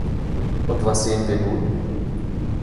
Und was sehen wir nun?